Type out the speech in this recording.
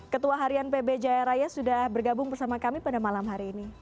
ketua harian pb jaya raya sudah bergabung bersama kami pada malam hari ini